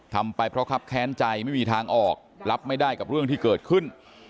ทำไปเพราะครับแค้นใจไม่มีทางออกรับไม่ได้กับเรื่องที่เกิดขึ้น